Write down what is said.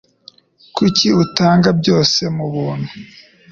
Kuki utanga byose mubuntu?